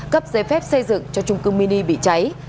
cấp giấy phép xây dựng cho trung cư mini bị cháy